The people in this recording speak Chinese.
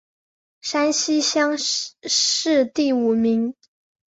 山西乡试第五名。